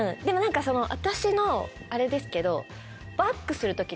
私のあれですけど。